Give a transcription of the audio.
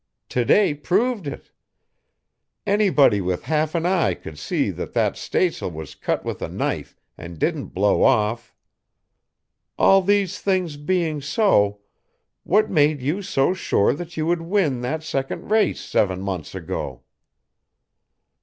To day proved it. Anybody with half an eye could see that that stays'l was cut with a knife and didn't blow off. All these things being so, what made you so sure that you would win that second race seven months ago?"